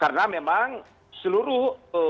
karena memang seluruh